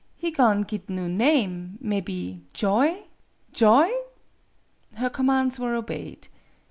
He go'n' git new name mebby Joy! Joy!" HER commands were obeyed.